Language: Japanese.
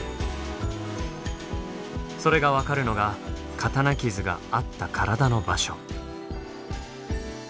それが分かるのが刀傷があった体の場所。